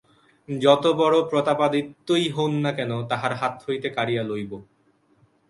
যত বড় প্রতাপাদিত্যই হউন না কেন, তাঁহার হাত হইতে কাড়িয়া লইব।